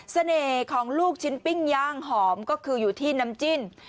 ของลูกชิ้นปิ้งย่างหอมก็คืออยู่ที่น้ำจิ้ม